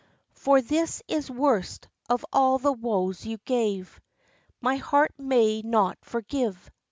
For this is worst of all the woes you gave My heart may not forgive.